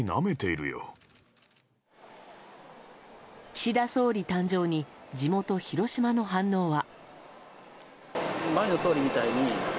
岸田総理誕生に地元・広島の反応は。